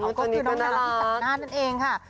ก็คือน้องน้ำที่สั่งงานนั่นเองค่ะ